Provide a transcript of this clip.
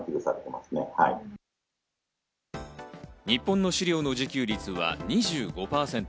日本の飼料の自給率は２５％。